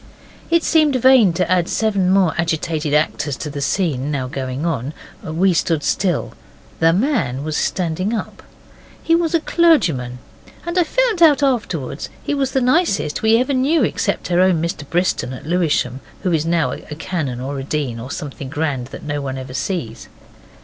It seemed vain to add seven more agitated actors to the scene now going on. We stood still. The man was standing up. He was a clergyman, and I found out afterwards he was the nicest we ever knew except our own Mr Briston at Lewisham, who is now a canon or a dean, or something grand that no one ever sees.